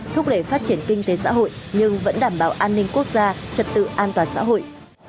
thúc đẩy phát triển kinh tế xã hội nhưng vẫn đảm bảo an ninh quốc gia trật tự an toàn xã hội